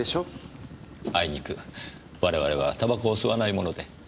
あいにく我々はタバコを吸わないもので。